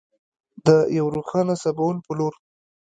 د یو روښانه سباوون په لور.